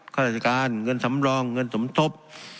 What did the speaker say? ข้าราชการเงินสำรองเงินสมทบ